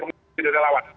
kami siap jadi relawan